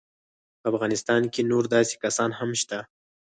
په افغانستان کې نور داسې کسان هم شته.